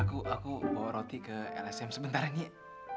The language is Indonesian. aku aku bawa roti ke lsm sebentar nih